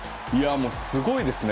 すごいですね。